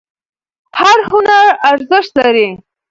هر هنر ارزښت لري.